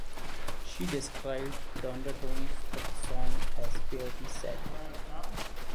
She described the undertones of the song as "fairly sad".